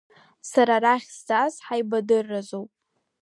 Сара арахь сзааз ҳаибадырразоуп.